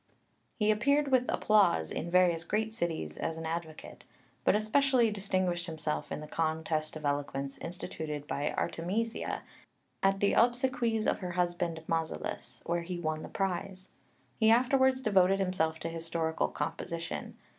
He appeared with applause in various great cities as an advocate, but especially distinguished himself in the contest of eloquence instituted by Artemisia at the obsequies of her husband Mausolus, where he won the prize. He afterwards devoted himself to historical composition.